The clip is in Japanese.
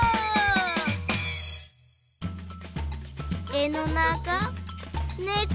絵のなかねこ